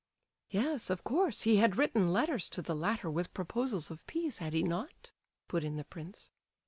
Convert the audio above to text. "Yes, of course; he had written letters to the latter with proposals of peace, had he not?" put in the prince.